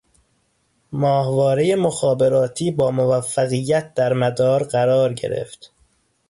ماهوارهٔ مخابراتی با موفقیت در مدار قرار گرفت